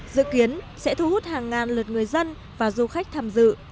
dự kiến sẽ thu hút hàng ngàn lượt người dân và du khách tham dự